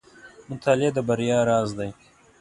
• مطالعه د بریا راز دی.